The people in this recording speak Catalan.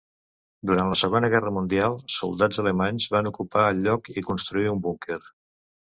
Durant la Segona Guerra Mundial soldats alemanys van ocupar el lloc i construir un búnquer.